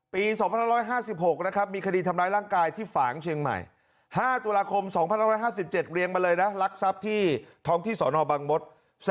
ปี๒๕๕๖นะครับมีคดีทำร้ายร่างกายที่ฝางเชียงใหม่๕ตุลาคม๒๕๕๗เรียงมาเลยนะลักทรัพย์ที่ท้องที่สนบังมศ